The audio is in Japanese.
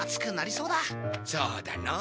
そうだのう。